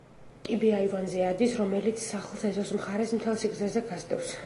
კიბე აივანზე ადის, რომელიც სახლს ეზოს მხარეს, მთელ სიგრძეზე გასდევს.